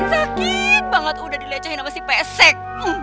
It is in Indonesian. sakit banget udah dilecehin sama si pesek